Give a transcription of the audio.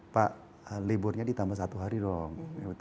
pak liburnya ditambah satu hari dong